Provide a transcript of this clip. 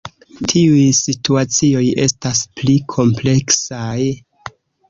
Tiuj situacioj estas pli kompleksaj.